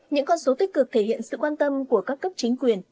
những con số tích cực thể hiện sự quan tâm của các cấp chính quyền